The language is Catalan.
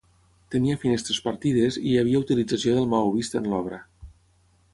Tenia finestres partides i hi havia utilització del maó vist en l'obra.